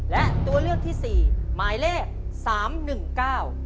และตัวเลือกที่๔หมายเลข๓๑๙